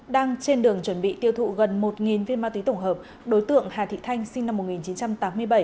đang trên đường chuẩn bị tiêu thụ gần một viên ma túy tổng hợp đối tượng hà thị thanh sinh năm một nghìn chín trăm tám mươi bảy